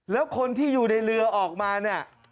แล้วคนที่อยู่ในเรือออกมาเนี่ย